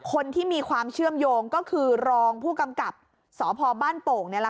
คนที่มีความเชื่อมโยงก็คือรองผู้กำกับสพบ้านโป่ง